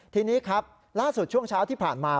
ทีนี้ครับล่าสุดช่วงเช้าที่ผ่านมา